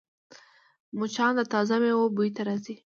مچان د تازه میوو بوی ته راځي